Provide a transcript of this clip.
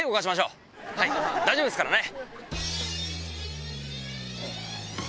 大丈夫ですからね。